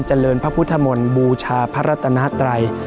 เจริญพระพุทธมนต์บูชาพระรัตนาตรัย